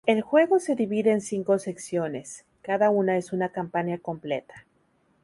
El juego se divide en cinco secciones, cada una es una campaña completa.